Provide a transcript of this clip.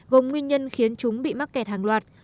gồm nguyên nhân khiến chúng bị mắc kẹt hàng loạt